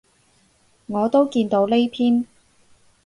我都見到呢篇